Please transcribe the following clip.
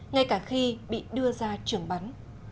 ngay cả khi bị đưa ra trường bắn